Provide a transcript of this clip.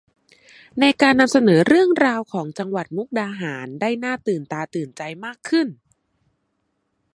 ในการนำเสนอเรื่องราวของจังหวัดมุกดาหารได้หน้าตื่นตาตื่นใจมากขึ้น